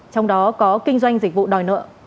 trong đó có kinh doanh dịch vụ đòi nợ